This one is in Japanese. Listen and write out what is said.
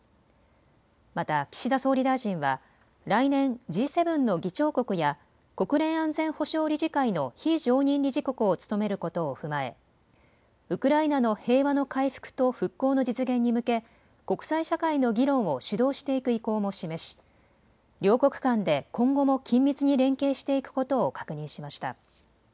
また岸田総理大臣は来年、Ｇ７の議長国や国連安全保障理事会の非常任理事国を務めることを踏まえウクライナの平和の回復と復興の実現に向け国際社会の議論を主導していく意向も示し両国間で今後も緊密に連携していくことを確認しました。